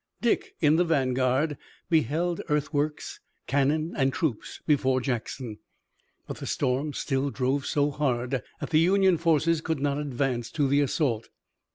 Dick, in the vanguard, beheld earthworks, cannon and troops before Jackson, but the storm still drove so hard that the Union forces could not advance to the assault.